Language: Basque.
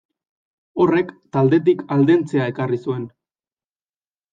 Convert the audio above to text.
Horrek taldetik aldentzea ekarri zuen.